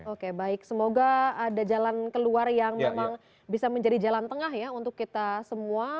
oke baik semoga ada jalan keluar yang memang bisa menjadi jalan tengah ya untuk kita semua